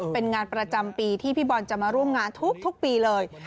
เป็นงานประจำปีที่พี่บอลจะมาร่วมงานทุกปีเลย